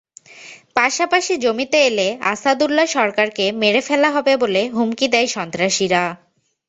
পাশাপাশি জমিতে এলে আসাদুল্লাহ্ সরকারকে মেরে ফেলা হবে বলে হুমকি দেয় সন্ত্রাসীরা।